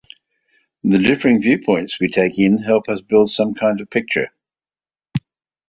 The differing viewpoints we take in help us build some kind of picture.